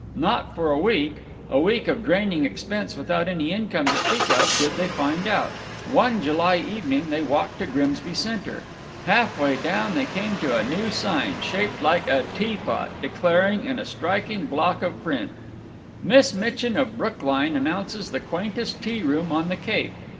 Not for a week, a week of draining expense without any income to speak of, did they find out. One July evening they walked to Grimsby Center. Half way down they came to a new sign, shaped like a tea pot, declaring in a striking block of print: MISS MITCHIN OF BROOKLINE ANNOUNCES THE QUAINTEST TEA ROOM ON THE CAPE.